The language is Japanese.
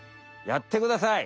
やってください！